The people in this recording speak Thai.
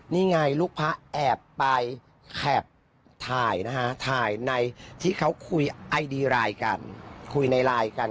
นี่ไงลูกพระแอบไปแขบถ่ายนะฮะถ่ายในที่เขาคุยไอดีไลน์กัน